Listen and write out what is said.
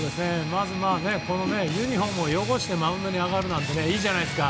まず、ユニホームを汚してマウンドに上がるなんていいじゃないですか。